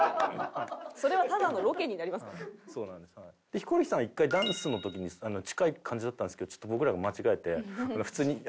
ヒコロヒーさんは一回ダンスの時に近い感じだったんですけどちょっと僕らが間違えて普通に嫌な。